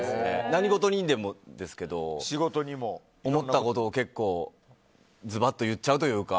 何事にでもですけど思ったことを結構ズバッと言っちゃうというか。